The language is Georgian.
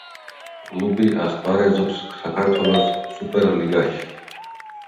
კლუბი ასპარეზობს საქართველოს სუპერლიგაში.